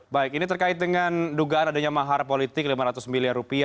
baik ini terkait dengan dugaan adanya mahar politik rp lima ratus miliar